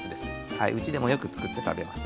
はいうちでもよくつくって食べます。